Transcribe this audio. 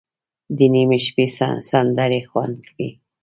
د نیمې شپې سندرې خوند کړي.